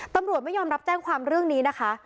ตำรวจไม่ยอมรับแจ้งความเรื่องนี้นะคะ